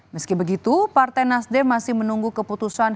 meski begitu partai nasdem masih menunggu keputusan